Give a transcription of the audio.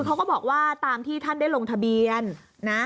เขาก็บอกว่าตามที่ท่านได้ลงทะเบียนนะ